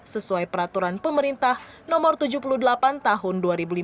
sesuai peraturan pemerintah nomor tujuh puluh delapan tahun dua ribu lima belas